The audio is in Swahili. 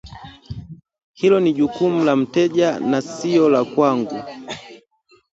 hilo ni jukumu la mteja na sio la kwangu